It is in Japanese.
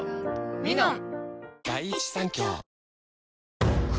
「ミノン」